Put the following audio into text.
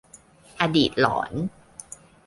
อดีตหลอน